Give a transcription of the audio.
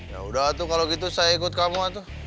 ya udah atuh kalau gitu saya ikut kamu atuh